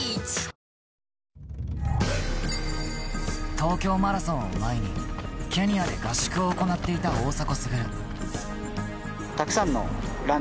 東京マラソンを前にケニアで合宿を行っていた大迫。